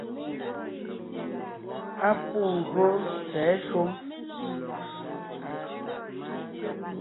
Á pû gÿô sɛ̌ shúm.